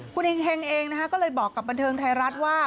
คุณเฮงเองนะคะก็เลยบอกกับบันเทิงไทยรัฐว่า